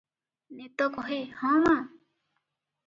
ନେତ କହେ, ହଂ ମାଁ ।